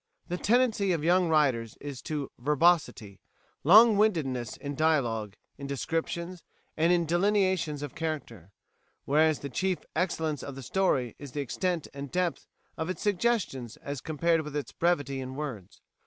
The tendency of young writers is to verbosity longwindedness in dialogues, in descriptions, and in delineations of character, whereas the chief excellence of the story is the extent and depth of its suggestions as compared with its brevity in words.